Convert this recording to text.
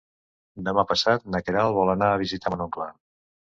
Demà passat na Queralt vol anar a visitar mon oncle.